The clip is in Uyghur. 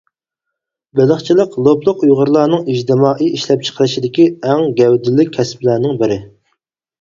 بېلىقچىلىق لوپلۇق ئۇيغۇرلارنىڭ ئىجتىمائىي ئىشلەپچىقىرىشىدىكى ئەڭ گەۋدىلىك كەسىپلەرنىڭ بىرى.